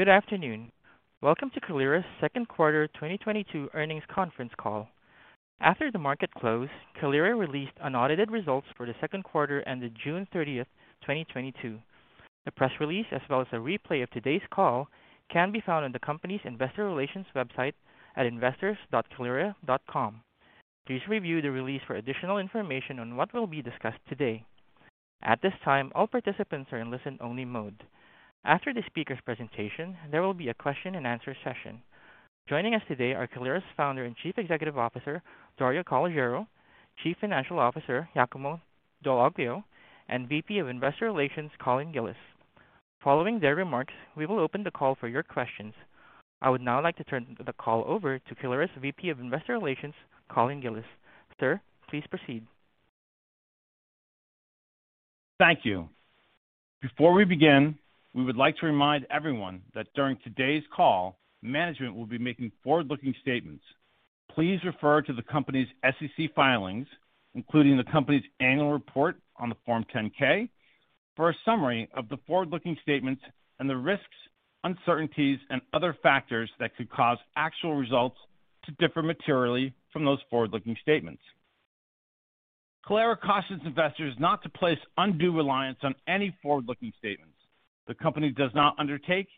Good afternoon. Welcome to Kaleyra's Second Quarter 2022 Earnings Conference Call. After the market closed, Kaleyra released unaudited results for the second quarter ended June 30, 2022. The press release, as well as a replay of today's call can be found on the company's Investor Relations website at investors.kaleyra.com. Please review the release for additional information on what will be discussed today. At this time, all participants are in listen-only mode. After the speaker's presentation, there will be a question-and-answer session. Joining us today are Kaleyra's Founder and Chief Executive Officer, Dario Calogero, Chief Financial Officer, Giacomo Dall'Aglio, and VP of Investor Relations, Colin Gillis. Following their remarks, we will open the call for your questions. I would now like to turn the call over to Kaleyra's VP of Investor Relations, Colin Gillis. Sir, please proceed. Thank you. Before we begin, we would like to remind everyone that during today's call, management will be making forward-looking statements. Please refer to the company's SEC filings, including the company's annual report on Form 10-K for a summary of the forward-looking statements and the risks, uncertainties and other factors that could cause actual results to differ materially from those forward-looking statements. Kaleyra cautions investors not to place undue reliance on any forward-looking statements. The company does not undertake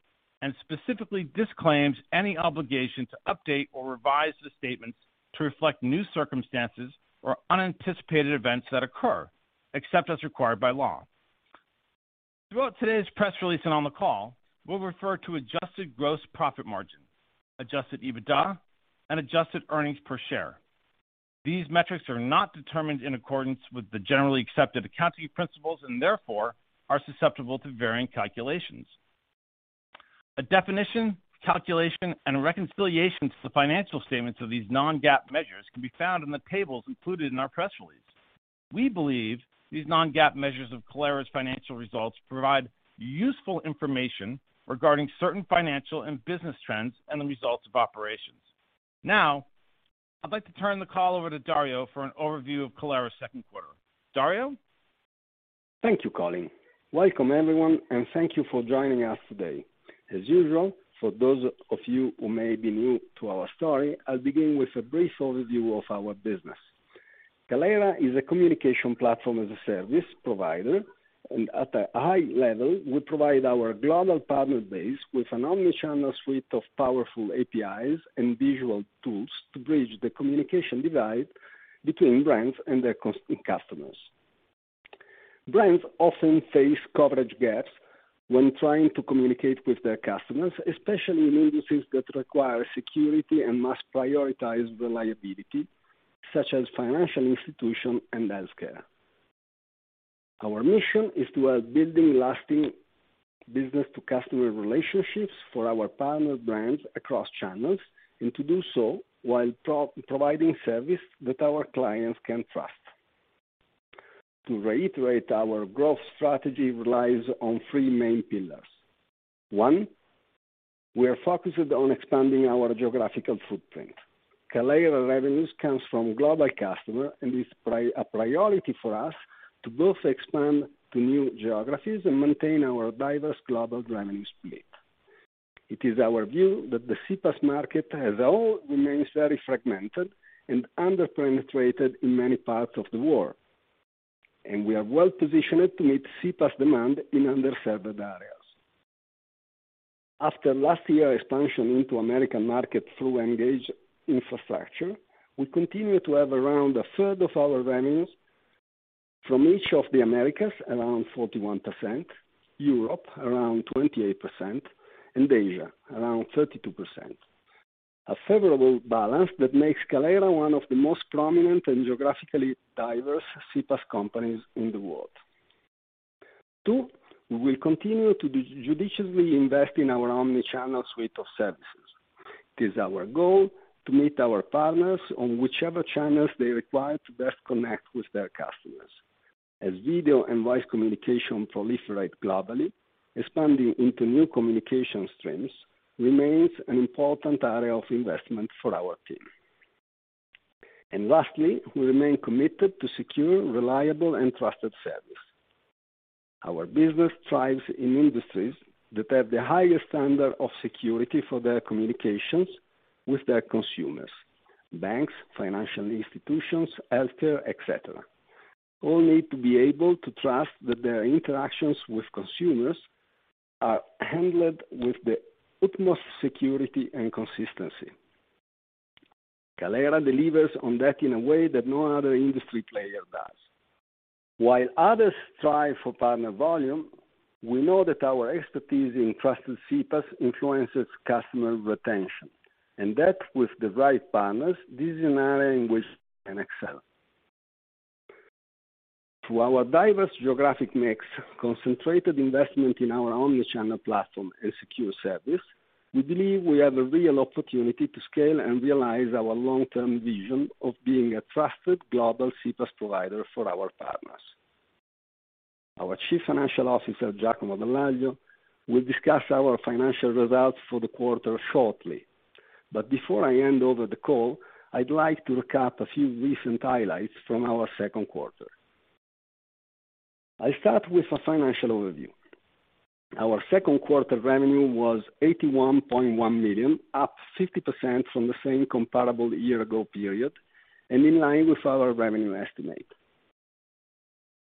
and specifically disclaims any obligation to update or revise the statements to reflect new circumstances or unanticipated events that occur, except as required by law. Throughout today's press release and on the call, we'll refer to adjusted gross profit margin, adjusted EBITDA, and adjusted earnings per share. These metrics are not determined in accordance with the generally accepted accounting principles and therefore are susceptible to varying calculations. A definition, calculation and reconciliation to the financial statements of these non-GAAP measures can be found in the tables included in our press release. We believe these non-GAAP measures of Kaleyra's financial results provide useful information regarding certain financial and business trends and the results of operations. Now, I'd like to turn the call over to Dario for an overview of Kaleyra's second quarter. Dario. Thank you, Colin. Welcome, everyone, and thank you for joining us today. As usual, for those of you who may be new to our story, I'll begin with a brief overview of our business. Kaleyra is a communication platform as a service provider, and at a high level, we provide our global partner base with an omni-channel suite of powerful APIs and visual tools to bridge the communication divide between brands and their customers. Brands often face coverage gaps when trying to communicate with their customers, especially in industries that require security and must prioritize reliability, such as financial institution and healthcare. Our mission is to help building lasting business to customer relationships for our partner brands across channels, and to do so while providing service that our clients can trust. To reiterate, our growth strategy relies on three main pillars. One, we are focused on expanding our geographical footprint. Kaleyra's revenues come from global customers and is a priority for us to both expand to new geographies and maintain our diverse global revenue split. It is our view that the CPaaS market as a whole remains very fragmented and under-penetrated in many parts of the world, and we are well positioned to meet CPaaS demand in underserved areas. After last year's expansion into American market through mGage, we continue to have around 1/3 of our revenues from each of the Americas, around 41%, Europe, around 28%, and Asia, around 32%. A favorable balance that makes Kaleyra one of the most prominent and geographically diverse CPaaS companies in the world. Two, we will continue to judiciously invest in our omni-channel suite of services. It is our goal to meet our partners on whichever channels they require to best connect with their customers. As video and voice communication proliferate globally, expanding into new communication streams remains an important area of investment for our team. Lastly, we remain committed to secure, reliable, and trusted service. Our business thrives in industries that have the highest standard of security for their communications with their consumers. Banks, financial institutions, healthcare, et cetera, all need to be able to trust that their interactions with consumers are handled with the utmost security and consistency. Kaleyra delivers on that in a way that no other industry player does. While others strive for partner volume, we know that our expertise in trusted CPaaS influences customer retention, and that with the right partners, this is an area in which we can excel. Through our diverse geographic mix, concentrated investment in our omni-channel platform, and secure service, we believe we have a real opportunity to scale and realize our long-term vision of being a trusted global CPaaS provider for our partners. Our Chief Financial Officer, Giacomo Dall'Aglio, will discuss our financial results for the quarter shortly. Before I hand over the call, I'd like to recap a few recent highlights from our second quarter. I'll start with a financial overview. Our second quarter revenue was $81.1 million, up 50% from the same period a year ago, and in line with our revenue estimate.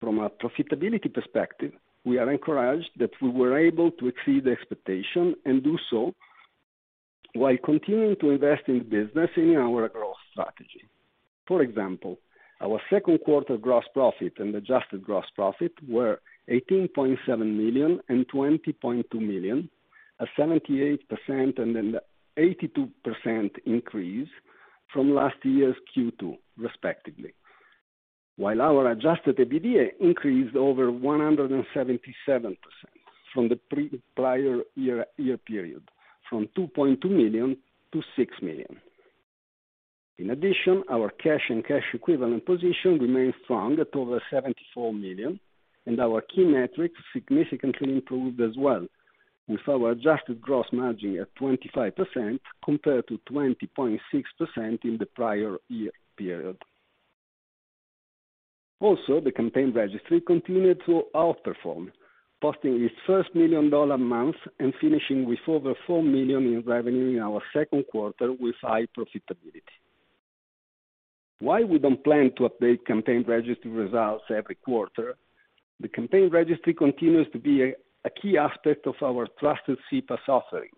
From a profitability perspective, we are encouraged that we were able to exceed expectation and do so while continuing to invest in the business in our growth strategy. For example, our second quarter gross profit and adjusted gross profit were $18.7 million and $20.2 million, a 78% and an 82% increase from last year's Q2 respectively. While our adjusted EBITDA increased over 177% from the prior year period, from $2.2 million to $6 million. In addition, our cash and cash equivalent position remains strong at over $74 million, and our key metrics significantly improved as well, with our adjusted gross margin at 25% compared to 20.6% in the prior year period. Also, the Campaign Registry continued to outperform, posting its first million-dollar month and finishing with over $4 million in revenue in our second quarter with high profitability. While we don't plan to update Campaign Registry results every quarter, the Campaign Registry continues to be a key aspect of our trusted CPaaS offering,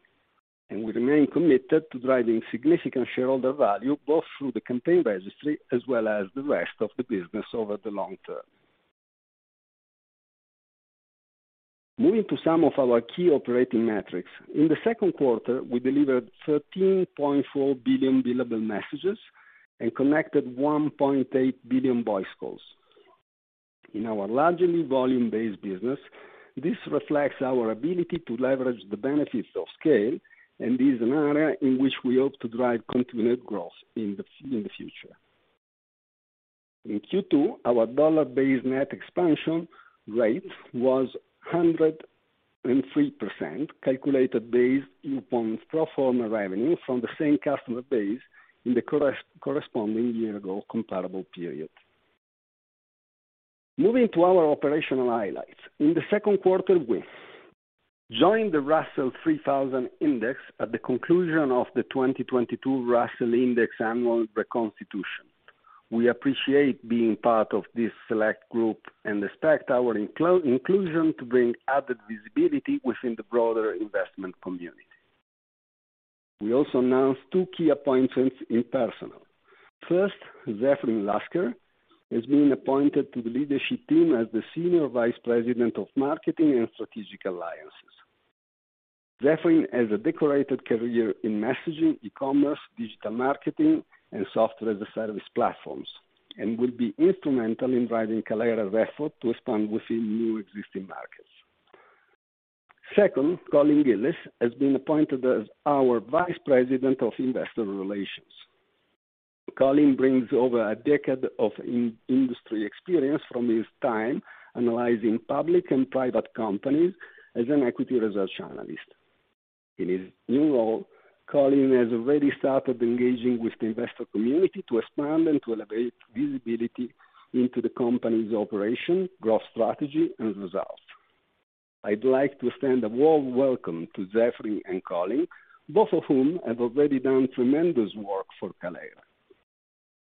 and we remain committed to driving significant shareholder value, both through the Campaign Registry as well as the rest of the business over the long term. Moving to some of our key operating metrics. In the second quarter, we delivered 13.4 billion billable messages and connected 1.8 billion voice calls. In our largely volume-based business, this reflects our ability to leverage the benefits of scale and is an area in which we hope to drive continued growth in the future. In Q2, our dollar-based net expansion rate was 103%, calculated based upon pro forma revenue from the same customer base in the corresponding year ago comparable period. Moving to our operational highlights. In the second quarter, we joined the Russell 3000 Index at the conclusion of the 2022 Russell Index annual reconstitution. We appreciate being part of this select group and expect our inclusion to bring added visibility within the broader investment community. We also announced two key appointments in personnel. First, Zephrin Lasker has been appointed to the leadership team as the Senior Vice President of Marketing and Strategic Alliances. Zephrin has a decorated career in messaging, e-commerce, digital marketing, and software as a service platforms, and will be instrumental in driving Kaleyra's effort to expand within new and existing markets. Second, Colin Gillis has been appointed as our Vice President of Investor Relations. Colin brings over a decade of in the industry experience from his time analyzing public and private companies as an Equity Research Analyst. In his new role, Colin has already started engaging with the investor community to expand and to elevate visibility into the company's operation, growth strategy, and results. I'd like to extend a warm welcome to Zephrin and Colin, both of whom have already done tremendous work for Kaleyra.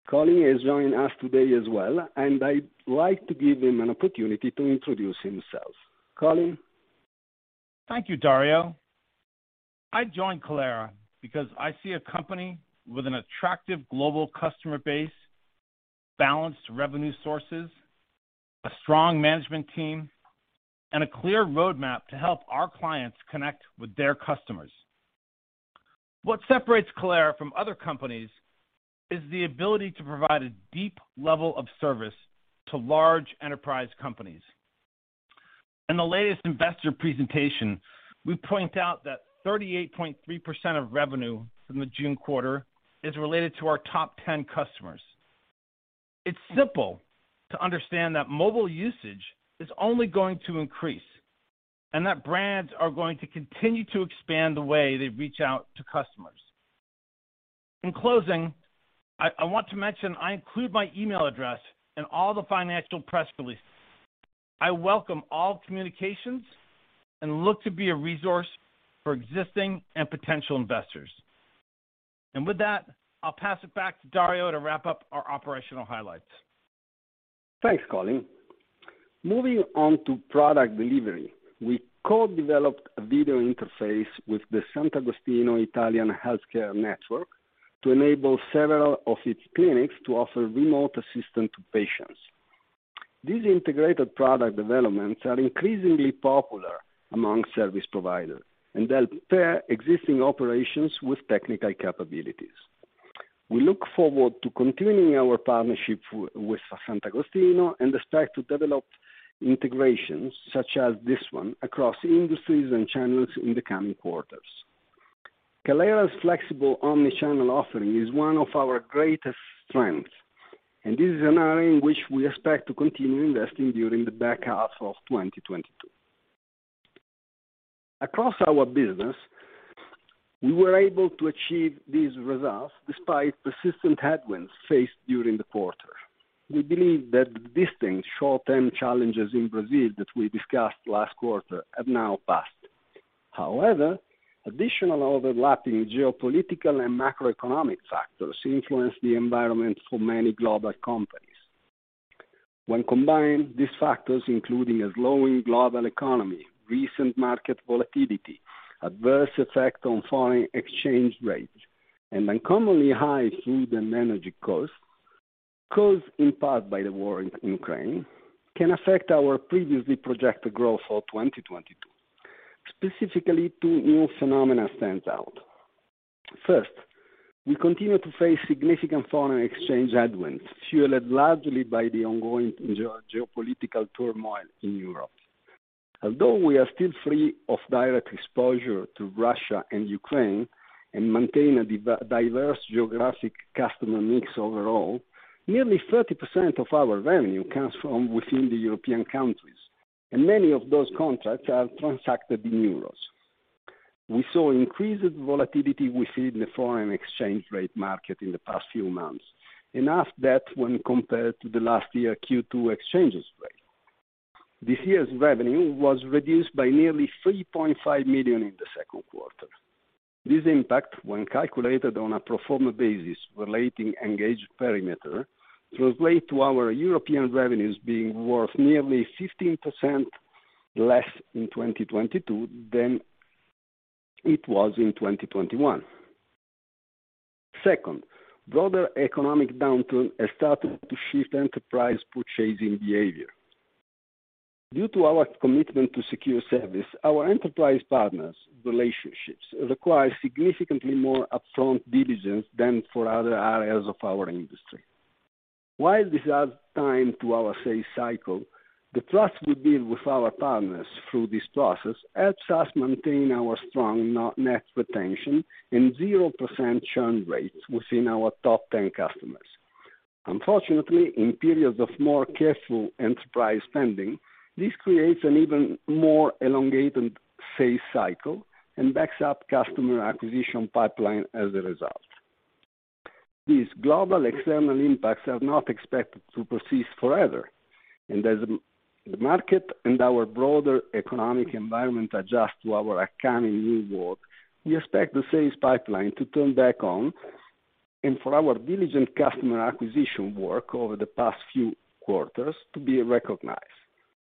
Colin has joined us today as well, and I'd like to give him an opportunity to introduce himself. Colin? Thank you, Dario. I joined Kaleyra because I see a company with an attractive global customer base, balanced revenue sources, a strong management team, and a clear roadmap to help our clients connect with their customers. What separates Kaleyra from other companies is the ability to provide a deep level of service to large enterprise companies. In the latest investor presentation, we point out that 38.3% of revenue from the June quarter is related to our top 10 customers. It's simple to understand that mobile usage is only going to increase and that brands are going to continue to expand the way they reach out to customers. In closing, I want to mention I include my email address in all the financial press releases. I welcome all communications and look to be a resource for existing and potential investors. With that, I'll pass it back to Dario to wrap up our operational highlights. Thanks, Colin. Moving on to product delivery. We co-developed a video interface with Centro Medico Santagostino to enable several of its clinics to offer remote assistance to patients. These integrated product developments are increasingly popular among service providers and help pair existing operations with technical capabilities. We look forward to continuing our partnership with Centro Medico Santagostino and expect to develop integrations such as this one across industries and channels in the coming quarters. Kaleyra's flexible omni-channel offering is one of our greatest strengths, and this is an area in which we expect to continue investing during the back half of 2023. Across our business, we were able to achieve these results despite persistent headwinds faced during the quarter. We believe that distinct short-term challenges in Brazil that we discussed last quarter have now passed. However, additional overlapping geopolitical and macroeconomic factors influence the environment for many global companies. When combined, these factors, including a slowing global economy, recent market volatility, adverse effect on foreign exchange rates, and uncommonly high food and energy costs, caused in part by the war in Ukraine, can affect our previously projected growth for 2022. Specifically, two new phenomena stands out. First, we continue to face significant foreign exchange headwinds, fueled largely by the ongoing geopolitical turmoil in Europe. Although we are still free of direct exposure to Russia and Ukraine and maintain a diverse geographic customer mix overall, nearly 30% of our revenue comes from within the European countries, and many of those contracts are transacted in euros. We saw increased volatility within the foreign exchange rate market in the past few months, enough that when compared to the last year Q2 exchange rate. This year's revenue was reduced by nearly $3.5 million in the second quarter. This impact, when calculated on a pro forma basis relating mGage perimeter, translate to our European revenues being worth nearly 15% less in 2022 than it was in 2021. Second, broader economic downturn has started to shift enterprise purchasing behavior. Due to our commitment to secure service, our enterprise partners' relationships require significantly more upfront diligence than for other areas of our industry. While this adds time to our sales cycle, the trust we build with our partners through this process helps us maintain our strong net retention and 0% churn rates within our top 10 customers. Unfortunately, in periods of more careful enterprise spending, this creates an even more elongated sales cycle and backs up customer acquisition pipeline as a result. These global external impacts are not expected to persist forever, and as the market and our broader economic environment adjust to our accounting new world, we expect the sales pipeline to turn back on and for our diligent customer acquisition work over the past few quarters to be recognized.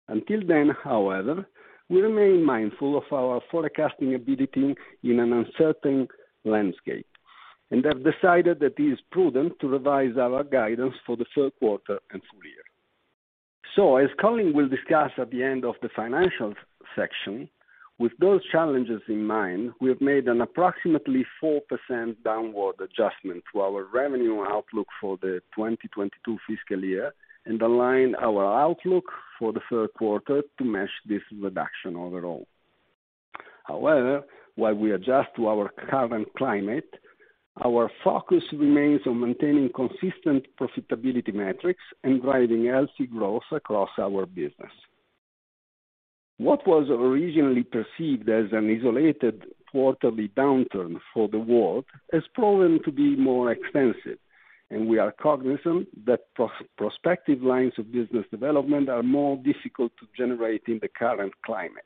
Until then, however, we remain mindful of our forecasting ability in an uncertain landscape and have decided that it is prudent to revise our guidance for the third quarter and full year. As Colin will discuss at the end of the financial section, with those challenges in mind, we have made an approximately 4% downward adjustment to our revenue outlook for the 2022 fiscal year and align our outlook for the third quarter to match this reduction overall. However, while we adjust to our current climate, our focus remains on maintaining consistent profitability metrics and driving healthy growth across our business. What was originally perceived as an isolated quarterly downturn for the world has proven to be more extensive, and we are cognizant that prospective lines of business development are more difficult to generate in the current climate.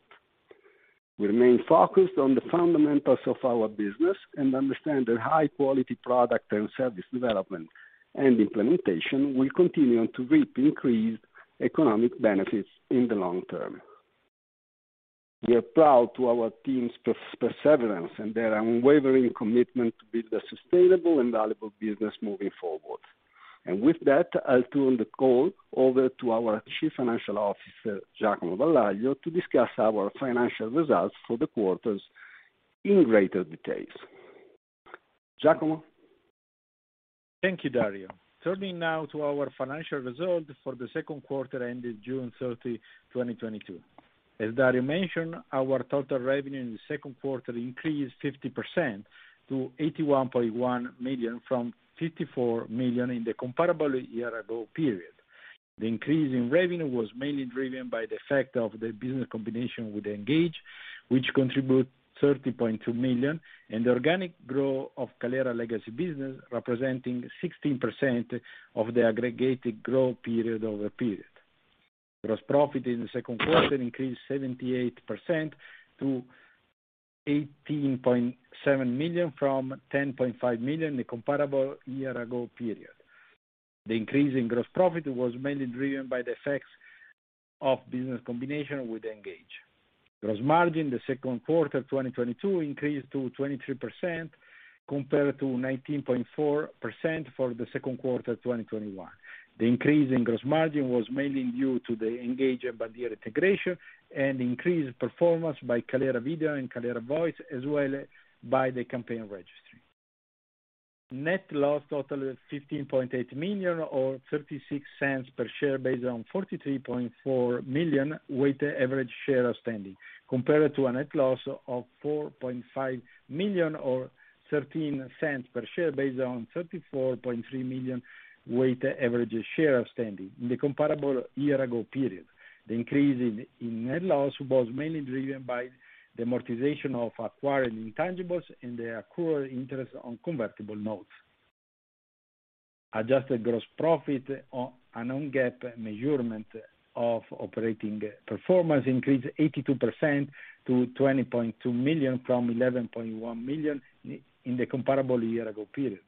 We remain focused on the fundamentals of our business and understand that high-quality product and service development and implementation will continue to reap increased economic benefits in the long term. We are proud of our team's perseverance and their unwavering commitment to build a sustainable and valuable business moving forward. With that, I'll turn the call over to our Chief Financial Officer, Giacomo Dall'Aglio, to discuss our financial results for the quarter in greater detail. Giacomo. Thank you, Dario. Turning now to our financial results for the second quarter ended June 30, 2022. As Dario mentioned, our total revenue in the second quarter increased 50% to $81.1 million from $54 million in the comparable year ago period. The increase in revenue was mainly driven by the effect of the business combination with mGage, which contribute $13.2 million, and the organic growth of Kaleyra legacy business, representing 16% of the aggregated growth period-over-period. Gross profit in the second quarter increased 78% to $18.7 million from $10.5 million in the comparable year ago period. The increase in gross profit was mainly driven by the effects of business combination with mGage. Gross margin in the second quarter 2022 increased to 23% compared to 19.4% for the second quarter 2021. The increase in gross margin was mainly due to the Engage and Bandyer integration and increased performance by Kaleyra Video and Kaleyra Voice, as well by the Campaign Registry. Net loss totaling $15.8 million or $0.36 per share based on 43.4 million weighted average shares outstanding, compared to a net loss of $4.5 million or $0.13 per share based on 34.3 million weighted average shares outstanding in the comparable year ago period. The increase in net loss was mainly driven by the amortization of acquired intangibles and the accrued interest on Convertible Notes. Adjusted gross profit on a non-GAAP measurement of operating performance increased 82% to $20.2 million from $11.1 million in the comparable year ago period.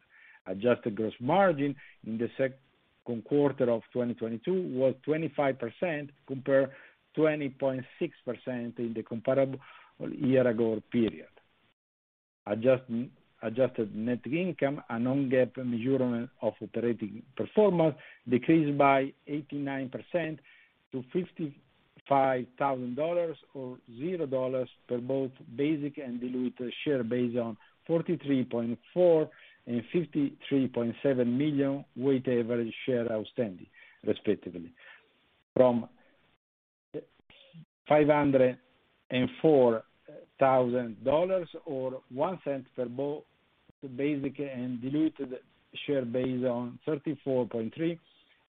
Adjusted gross margin in the second quarter of 2022 was 25% compared to 20.6% in the comparable year ago period. Adjusted net income, a non-GAAP measure of operating performance, decreased by 89% to $55,000 or $0 per both basic and diluted share based on 33.4 and 53.7 million weighted average shares outstanding respectively. From $504,000 or $0.01 per basic and diluted share based on 34.3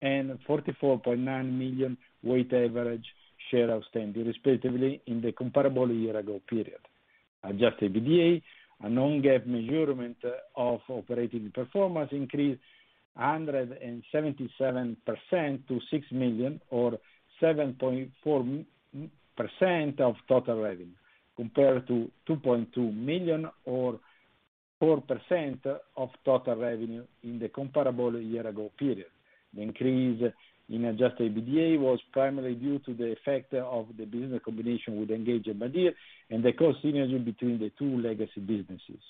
and 44.9 million weighted average shares outstanding respectively in the comparable year ago period. Adjusted EBITDA, a non-GAAP measure of operating performance, increased 177% to $6 million or 7.4% of total revenue, compared to $2.2 million or 4% of total revenue in the comparable year ago period. The increase in Adjusted EBITDA was primarily due to the effect of the business combination with mGage and Bandyer and the cost synergy between the two legacy businesses.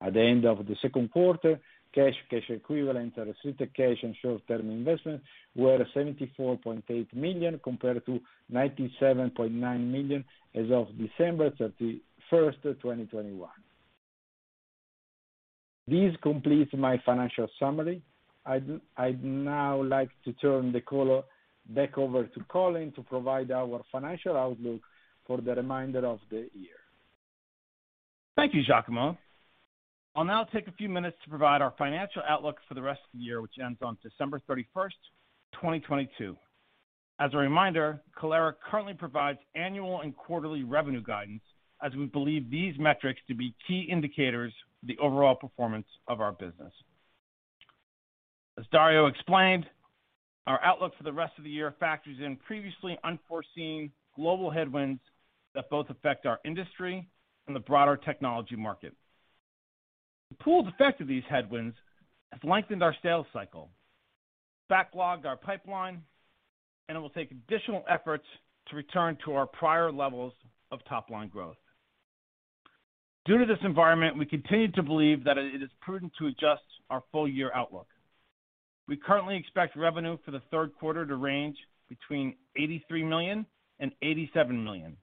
At the end of the second quarter, cash equivalents, restricted cash and short-term investments were $74.8 million, compared to $97.9 million as of December 31st, 2021. This completes my financial summary. I'd now like to turn the call back over to Colin to provide our financial outlook for the remainder of the year. Thank you, Giacomo. I'll now take a few minutes to provide our financial outlook for the rest of the year, which ends on December 31st, 2022. As a reminder, Kaleyra currently provides annual and quarterly revenue guidance as we believe these metrics to be key indicators for the overall performance of our business. As Dario explained, our outlook for the rest of the year factors in previously unforeseen global headwinds that both affect our industry and the broader technology market. The pooled effect of these headwinds has lengthened our sales cycle, backlogged our pipeline, and it will take additional efforts to return to our prior levels of top-line growth. Due to this environment, we continue to believe that it is prudent to adjust our full year outlook. We currently expect revenue for the third quarter to range between $83 million-$87 million.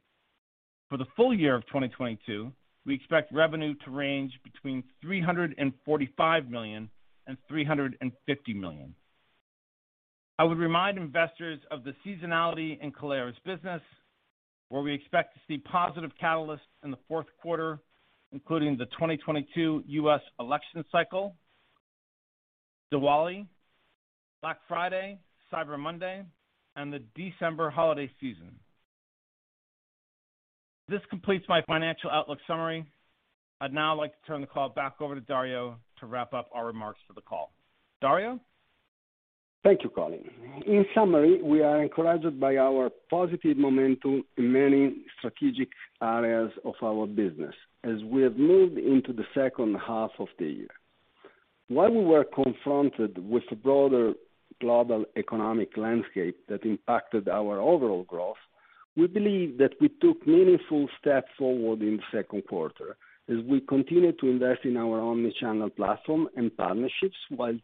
For the full year of 2022, we expect revenue to range between $345 million-$350 million. I would remind investors of the seasonality in Kaleyra's business, where we expect to see positive catalysts in the fourth quarter, including the 2022 U.S. election cycle, Diwali, Black Friday, Cyber Monday, and the December holiday season. This completes my financial outlook summary. I'd now like to turn the call back over to Dario to wrap up our remarks for the call. Dario? Thank you, Colin. In summary, we are encouraged by our positive momentum in many strategic areas of our business as we have moved into the second half of the year. While we were confronted with a broader global economic landscape that impacted our overall growth, we believe that we took meaningful steps forward in the second quarter as we continue to invest in our omni-channel platform and partnerships while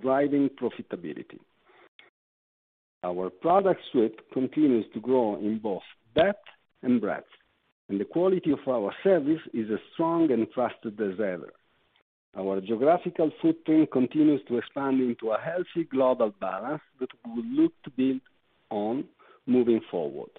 driving profitability. Our product suite continues to grow in both depth and breadth, and the quality of our service is as strong and trusted as ever. Our geographical footprint continues to expand into a healthy global balance that we look to build on moving forward.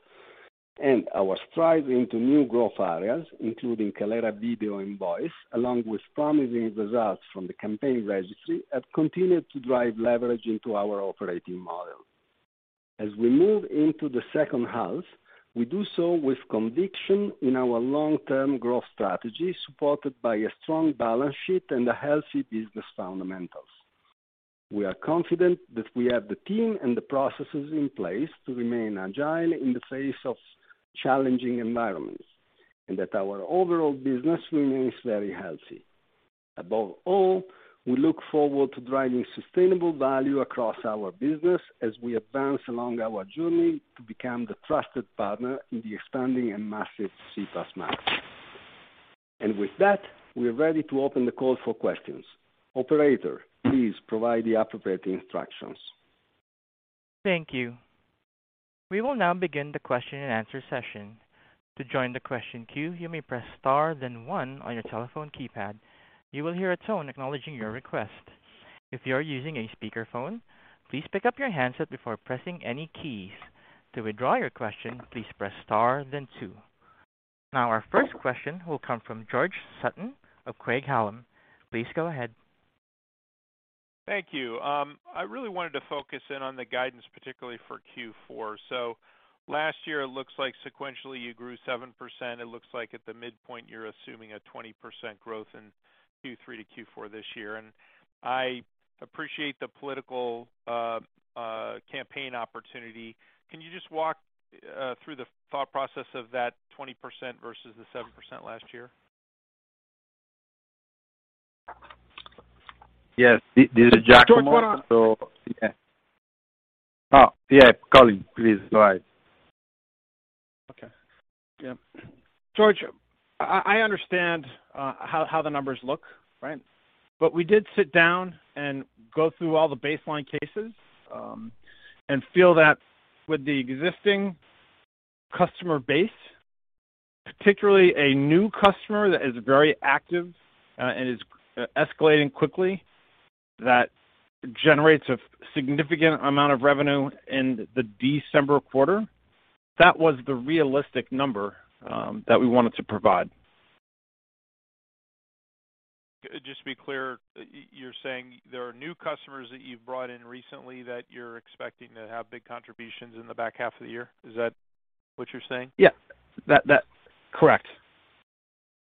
Our stride into new growth areas, including Kaleyra Video and Voice, along with promising results from the Campaign Registry, have continued to drive leverage into our operating model. As we move into the second half, we do so with conviction in our long-term growth strategy, supported by a strong balance sheet and a healthy business fundamentals. We are confident that we have the team and the processes in place to remain agile in the face of challenging environments, and that our overall business remains very healthy. Above all, we look forward to driving sustainable value across our business as we advance along our journey to become the trusted partner in the expanding and massive CPaaS market. With that, we are ready to open the call for questions. Operator, please provide the appropriate instructions. Thank you. We will now begin the question and answer session. To join the question queue, you may press star then one on your telephone keypad. You will hear a tone acknowledging your request. If you are using a speakerphone, please pick up your handset before pressing any keys. To withdraw your question, please press star then two. Now our first question will come from George Sutton of Craig-Hallum Capital Group. Please go ahead. Thank you. I really wanted to focus in on the guidance, particularly for Q4. Last year it looks like sequentially you grew 7%. It looks like at the midpoint you're assuming a 20% growth in Q3 to Q4 this year. I appreciate the political campaign opportunity. Can you just walk through the thought process of that 20% versus the 7% last year? Yes, this is Dario Calogero. Yeah. Oh, yeah. Colin, please go ahead. Okay. Yeah. George, I understand how the numbers look, right? We did sit down and go through all the baseline cases, and feel that with the existing customer base, particularly a new customer that is very active and is escalating quickly, that generates a significant amount of revenue in the December quarter. That was the realistic number that we wanted to provide. Just to be clear, you're saying there are new customers that you've brought in recently that you're expecting to have big contributions in the back half of the year. Is that what you're saying? Yeah. That correct.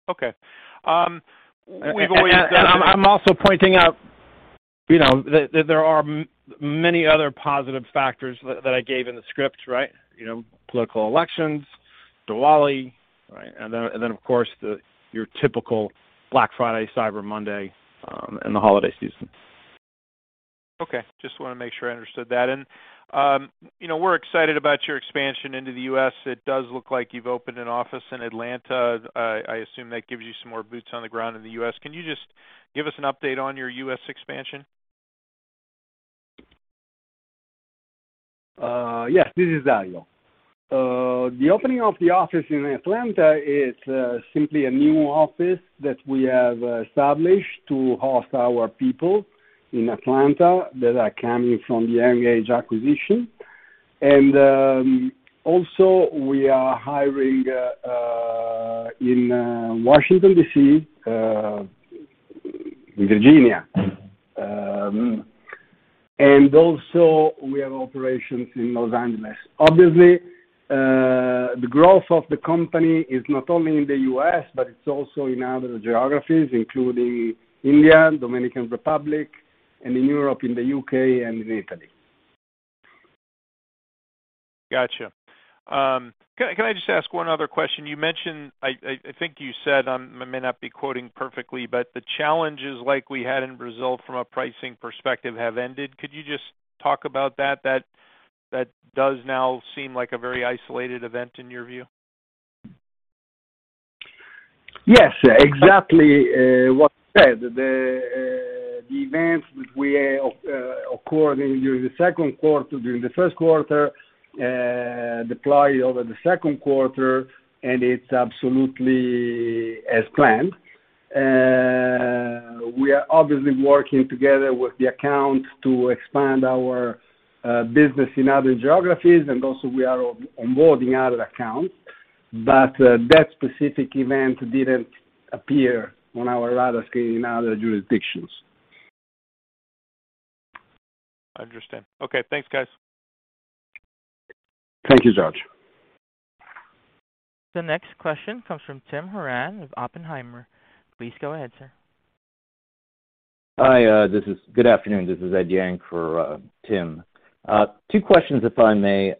Okay. I'm also pointing out, you know, that there are many other positive factors that I gave in the script, right? You know, political elections, Diwali, right? Then of course, your typical Black Friday, Cyber Monday, and the holiday season. Okay. Just wanna make sure I understood that. You know, we're excited about your expansion into the U.S. It does look like you've opened an office in Atlanta. I assume that gives you some more boots on the ground in the U.S. Can you just give us an update on your U.S. expansion? Yes. This is Dario. The opening of the office in Atlanta is simply a new office that we have established to host our people in Atlanta that are coming from the mGage acquisition. Also we are hiring in Washington, D.C., Virginia, and also we have operations in Los Angeles. Obviously, the growth of the company is not only in the U.S., but it's also in other geographies, including India, Dominican Republic and in Europe, in the U.K. and in Italy. Gotcha. Can I just ask one other question? You mentioned I think you said I may not be quoting perfectly, but the challenges like we had in Brazil from a pricing perspective have ended. Could you just talk about that? That does now seem like a very isolated event in your view. Yes, exactly, what I said. The events which occurred during the first quarter deployed over the second quarter, and it's absolutely as planned. We are obviously working together with the account to expand our business in other geographies, and also we are onboarding other accounts. That specific event didn't appear on our radar screen in other jurisdictions. I understand. Okay. Thanks, guys. Thank you, George. The next question comes from Tim Horan of Oppenheimer. Please go ahead, sir. Hi, Good afternoon, this is Ed Yang for Tim. Two questions, if I may.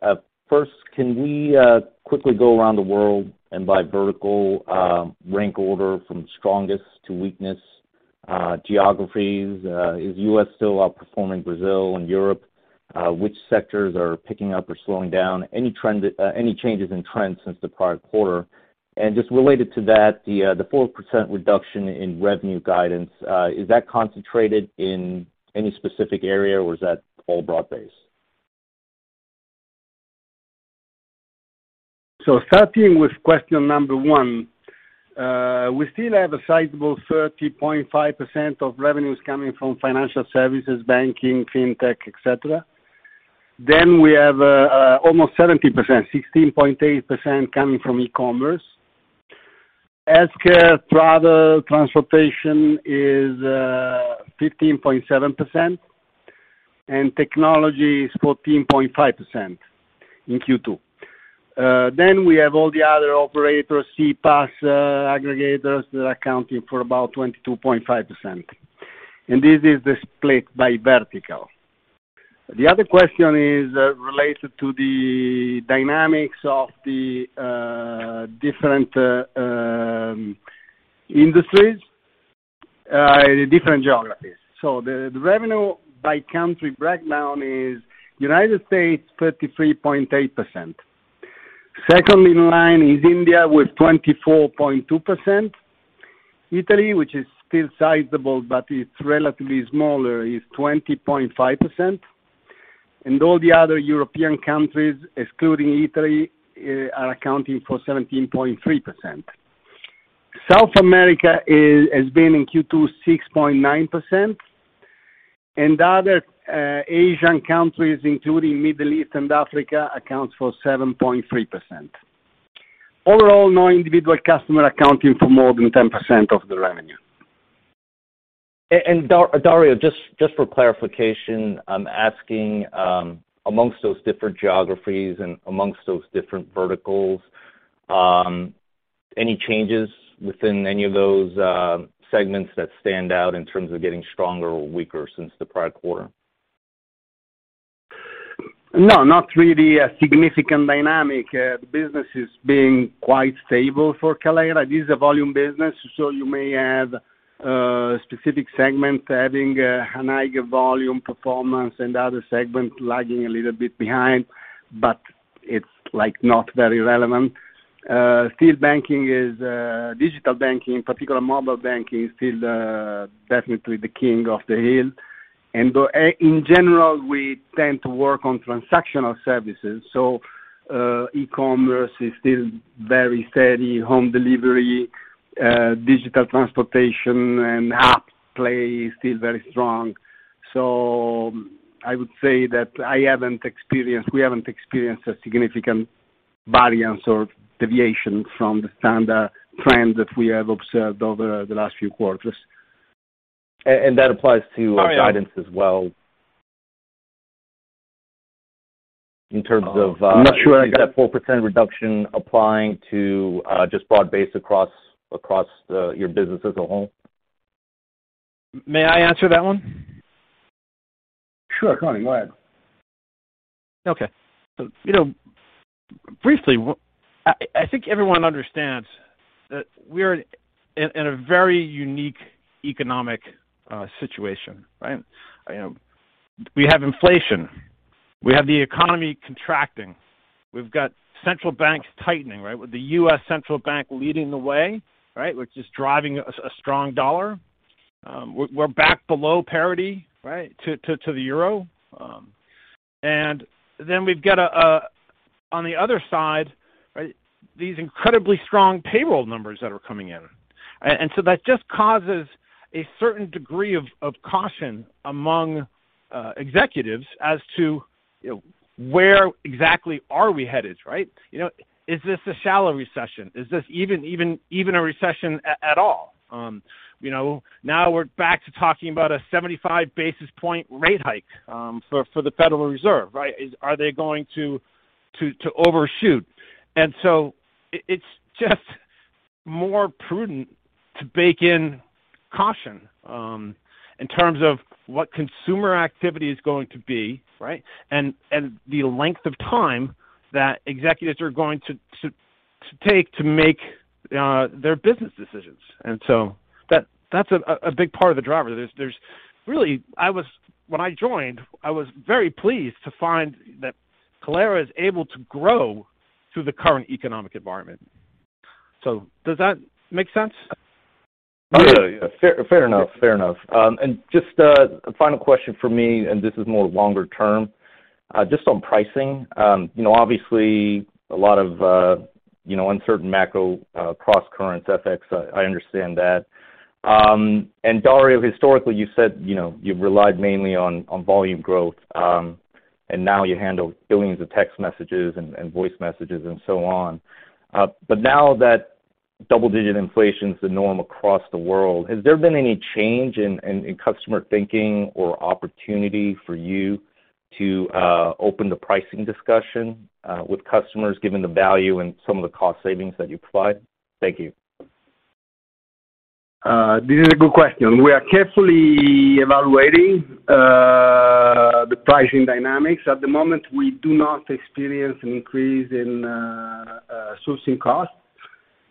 First, can we quickly go around the world and by vertical, rank order from strongest to weakness, geographies? Is U.S. still outperforming Brazil and Europe? Which sectors are picking up or slowing down? Any trend, any changes in trends since the prior quarter? Just related to that, the 4% reduction in revenue guidance, is that concentrated in any specific area, or is that all broad-based? Starting with question number one, we still have a sizable 30.5% of revenues coming from financial services, banking, fintech, et cetera. We have almost 17%, 16.8% coming from e-commerce. Healthcare, travel, transportation is 15.7%, and technology is 14.5% in Q2. We have all the other operators, CPaaS, aggregators that are accounting for about 22.5%. This is the split by vertical. The other question is related to the dynamics of the different industries, different geographies. The revenue by country breakdown is United States, 33.8%. Second in line is India with 24.2%. Italy, which is still sizable but it's relatively smaller, is 20.5%. All the other European countries, excluding Italy, are accounting for 17.3%. South America has been in Q2, 6.9%. The other Asian countries, including Middle East and Africa, accounts for 7.3%. Overall, no individual customer accounting for more than 10% of the revenue. Dario, just for clarification, I'm asking among those different geographies and among those different verticals, any changes within any of those segments that stand out in terms of getting stronger or weaker since the prior quarter? No, not really a significant dynamic. The business is being quite stable for Kaleyra. This is a volume business, so you may have specific segment having a higher volume performance and other segment lagging a little bit behind, but it's, like, not very relevant. Still banking is digital banking, in particular mobile banking is still definitely the king of the hill. In general, we tend to work on transactional services. E-commerce is still very steady, home delivery, digital transportation and app play is still very strong. I would say that we haven't experienced a significant variance or deviation from the standard trend that we have observed over the last few quarters. That applies to guidance as well. In terms of- I'm not sure I got. That 4% reduction applying to just broad-based across your business as a whole. May I answer that one? Sure, Colin, go ahead. Okay. You know, briefly, I think everyone understands that we're in a very unique economic situation, right? You know, we have inflation. We have the economy contracting. We've got central banks tightening, right, with the U.S. central bank leading the way, right, which is driving a strong dollar. We're back below parity, right, to the euro. We've got, on the other side, right, these incredibly strong payroll numbers that are coming in. That just causes a certain degree of caution among executives as to, you know, where exactly are we headed, right? You know, is this a shallow recession? Is this even a recession at all? You know, now we're back to talking about a 75 basis point rate hike for the Federal Reserve, right? Are they going to overshoot? It's just more prudent to bake in caution in terms of what consumer activity is going to be, right? The length of time that executives are going to take to make their business decisions. That's a big part of the driver. Really, when I joined, I was very pleased to find that Kaleyra is able to grow through the current economic environment. Does that make sense? Yeah. Fair enough. A final question from me, and this is more longer term, just on pricing. You know, obviously a lot of, you know, uncertain macro, cross currents, FX, I understand that. Dario, historically, you said, you know, you've relied mainly on volume growth, and now you handle billions of text messages and voice messages and so on. But now that double-digit inflation is the norm across the world, has there been any change in customer thinking or opportunity for you to open the pricing discussion with customers given the value and some of the cost savings that you provide? Thank you. This is a good question. We are carefully evaluating the pricing dynamics. At the moment, we do not experience an increase in sourcing costs.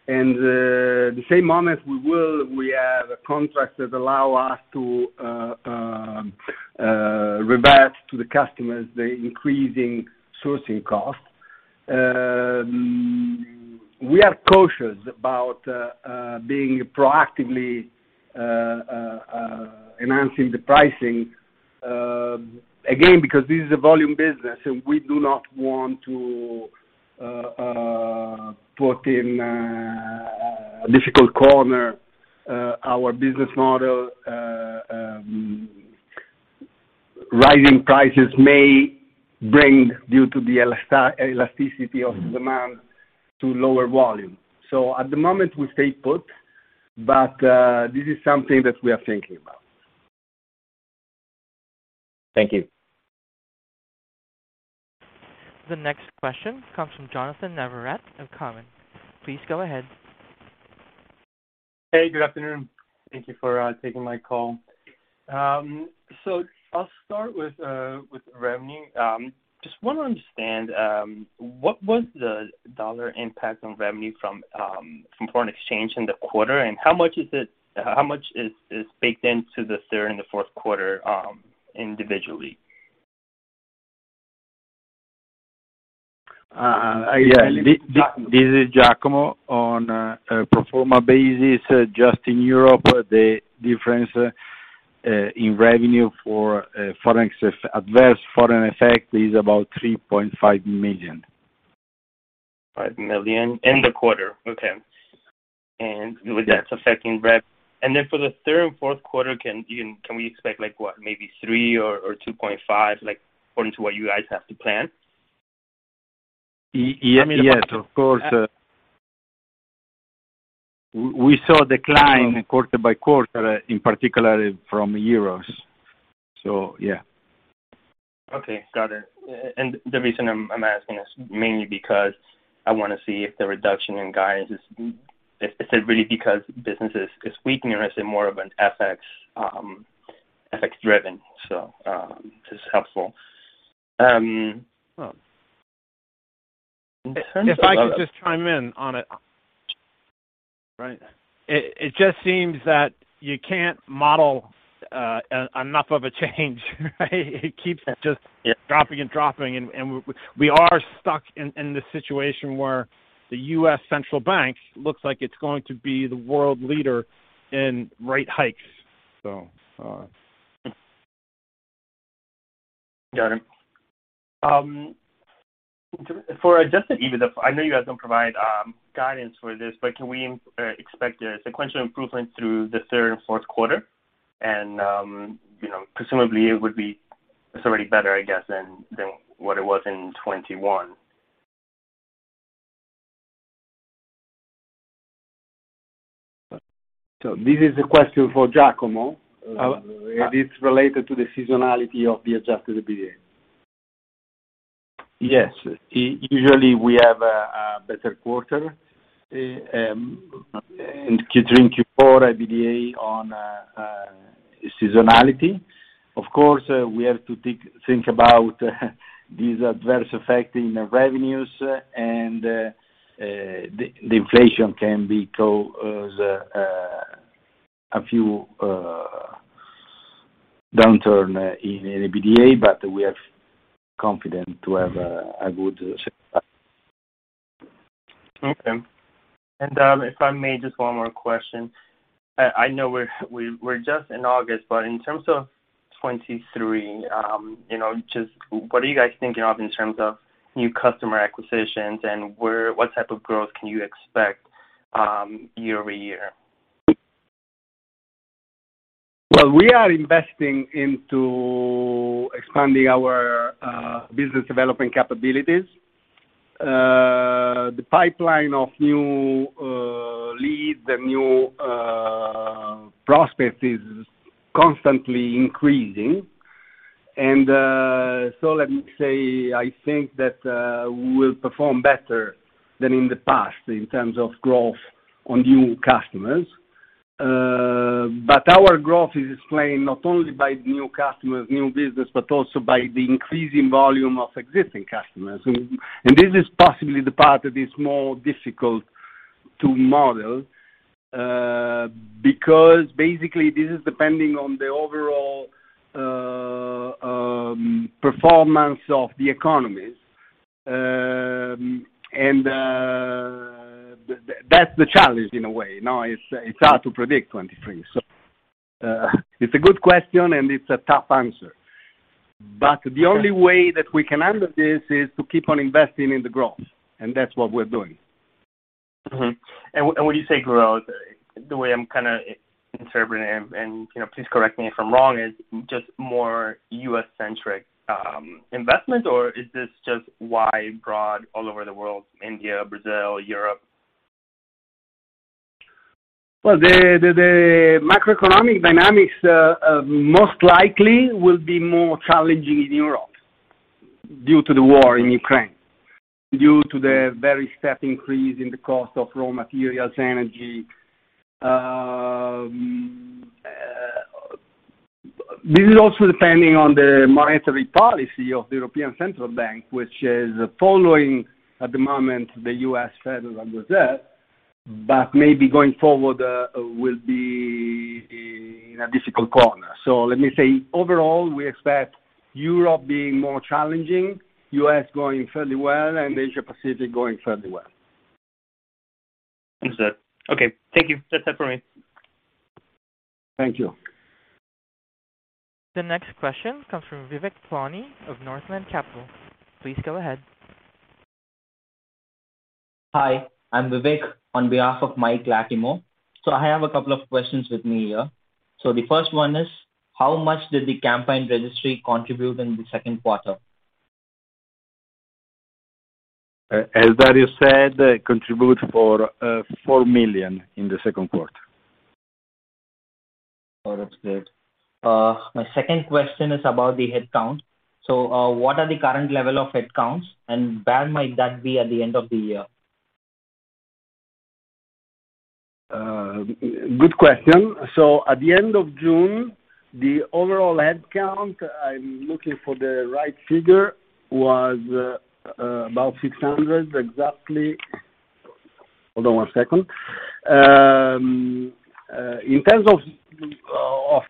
At the same moment, we have contracts that allow us to revert to the customers the increasing sourcing cost. We are cautious about being proactively enhancing the pricing again, because this is a volume business, and we do not want to put in a difficult corner our business model. Rising prices may bring, due to the elasticity of the demand, to lower volume. At the moment, we stay put, but this is something that we are thinking about. Thank you. The next question comes from Jonnathan Navarrete of Cowen. Please go ahead. Hey, good afternoon. Thank you for taking my call. I'll start with revenue. Just wanna understand what was the dollar impact on revenue from foreign exchange in the quarter, and how much is baked into the third and the fourth quarter, individually? Are you speaking? This is Giacomo. On a pro forma basis, just in Europe, the difference in revenue for adverse foreign exchange effect is about $3.5 million. $5 million in the quarter. Okay. That's affecting rev. For the third and fourth quarter, can we expect like what? Maybe $3 or $2.5, like, according to what you guys have to plan? Yeah, yes, of course. We saw a decline quarter by quarter, in particular from euros. Yeah. Okay. Got it. The reason I'm asking is mainly because I wanna see if the reduction in guidance is it really because business is weakening, or is it more of an FX driven? This is helpful. Well, in terms of- If I could just chime in on it. Right. It just seems that you can't model enough of a change, right? It keeps just. Yeah. Dropping and we are stuck in this situation where the U.S. central bank looks like it's going to be the world leader in rate hikes. Got it. For adjusted EBITDA, I know you guys don't provide guidance for this, but can we expect a sequential improvement through the third and fourth quarter? You know, presumably it would be. It's already better, I guess, than what it was in 2021. This is a question for Giacomo. Oh. It's related to the seasonality of the Adjusted EBITDA. Yes. Usually we have a better quarter in Q3 and Q4 EBITDA on seasonality. Of course, we have to think about these adverse effects in the revenues and the inflation can cause a downturn in the EBITDA, but we are confident to have a good second half. Okay. If I may, just one more question. I know we're just in August, but in terms of 2023, you know, just what are you guys thinking of in terms of new customer acquisitions and what type of growth can you expect, year-over-year? Well, we are investing into expanding our business development capabilities. The pipeline of new leads, the new prospects is constantly increasing. Let me say, I think that we'll perform better than in the past in terms of growth on new customers. Our growth is explained not only by new customers, new business, but also by the increasing volume of existing customers. This is possibly the part that is more difficult to model, because basically this is depending on the overall performance of the economies. That's the challenge in a way. Now, it's hard to predict 2023. It's a good question, and it's a tough answer. The only way that we can handle this is to keep on investing in the growth, and that's what we're doing. Mm-hmm. When you say growth, the way I'm kinda interpreting and, you know, please correct me if I'm wrong, is just more U.S.-centric investment, or is this just wide broad all over the world, India, Brazil, Europe? Well, the macroeconomic dynamics most likely will be more challenging in Europe due to the war in Ukraine, due to the very steep increase in the cost of raw materials, energy. This is also depending on the monetary policy of the European Central Bank, which is following at the moment the U.S. Federal Reserve, but maybe going forward will be in a difficult corner. Let me say, overall, we expect Europe being more challenging, U.S. going fairly well, and Asia Pacific going fairly well. Understood. Okay. Thank you. That's it for me. Thank you. The next question comes from Vivek Palani of Northland Capital. Please go ahead. Hi, I'm Vivek on behalf of Mike Latimore. I have a couple of questions with me here. The first one is, how much did the Campaign Registry contribute in the second quarter? As Dario said, it contribute for $4 million in the second quarter. Oh, that's good. My second question is about the headcount. What are the current level of headcounts and where might that be at the end of the year? Good question. At the end of June, the overall headcount, I'm looking for the right figure, was about 600, exactly. Hold on one second. Well, in terms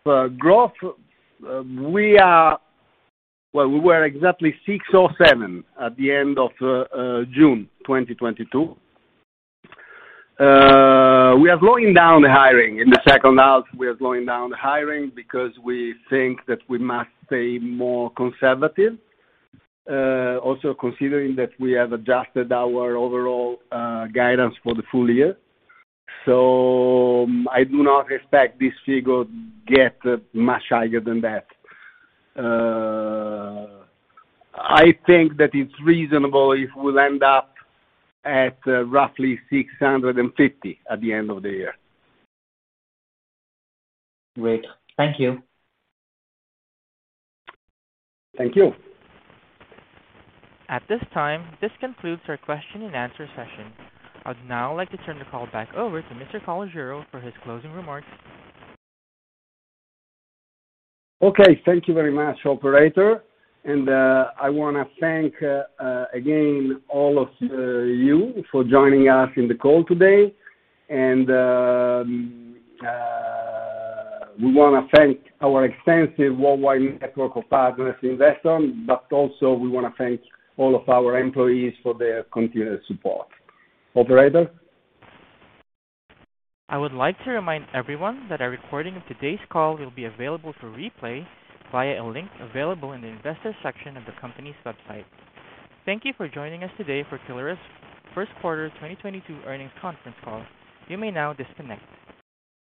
of growth, we were exactly 607 at the end of June 2022. We are slowing down the hiring. In the second half, we are slowing down the hiring because we think that we must stay more conservative, also considering that we have adjusted our overall guidance for the full year. I do not expect this figure get much higher than that. I think that it's reasonable if we'll end up at roughly 650 at the end of the year. Great. Thank you. Thank you. At this time, this concludes our question and answer session. I'd now like to turn the call back over to Mr. Calogero for his closing remarks. Okay. Thank you very much, operator. I wanna thank again all of you for joining us in the call today. We wanna thank our extensive worldwide network of partners, investors, but also we wanna thank all of our employees for their continued support. Operator? I would like to remind everyone that a recording of today's call will be available for replay via a link available in the investor section of the company's website. Thank you for joining us today for Kaleyra's first quarter 2022 earnings conference call. You may now disconnect.